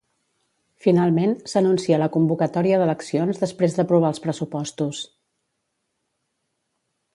Finalment, s'anuncia la convocatòria d'eleccions després d'aprovar els pressupostos.